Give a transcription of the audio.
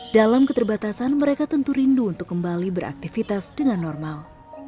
dalam keterbatasan mereka tentu rindu untuk kembali beraktivitas dengan normal